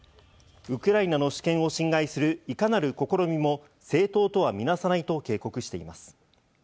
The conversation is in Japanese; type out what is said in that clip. ウクライナの主権を侵害するいかなる試みも正当とは見なさないと警告しています。